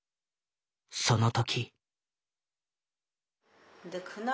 その時。